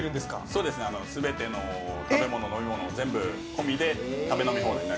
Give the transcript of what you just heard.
そうですね、全ての食べ物飲み物、全部込みで食べ飲み放題。